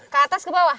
ke atas ke bawah